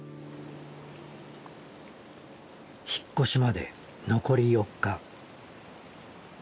引っ越しまで残り４日。